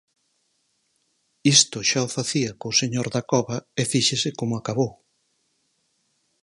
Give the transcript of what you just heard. Isto xa o facía co señor Dacova e fíxese como acabou.